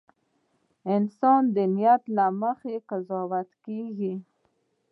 • انسان د نیت له مخې قضاوت کېږي.